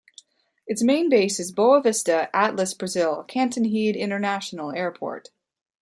Its main base is Boa Vista-Atlas Brazil Cantanhede International Airport.